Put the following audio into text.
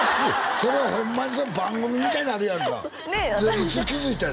それホンマに番組みたいになるやんかいつ気づいたんや？